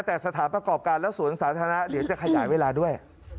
แต่สถานประกอบการและสวนสาธารณะเดี๋ยวจะขยายเวลาด้วย